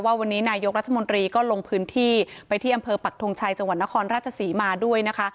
วันนี้นายกรัฐมนตรีก็ลงพื้นที่ไปที่อำเภอปักทงชัยจังหวัดนครราชศรีมาด้วยนะคะ